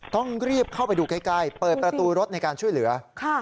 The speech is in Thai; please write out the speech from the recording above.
ต้องรีบเข้าไปดูใกล้เปิดประตูรถในการช่วยเหลือ